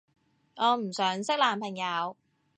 我唔想識男朋友